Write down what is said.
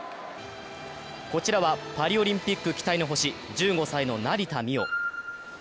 こちらはパリオリンピック期待の星、１５歳の成田実生。